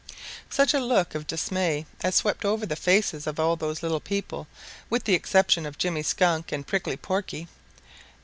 Such a look of dismay as swept over the faces of all those little people, with the exception of Jimmy Skunk and Prickly Porky!